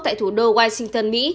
tại thủ đô washington mỹ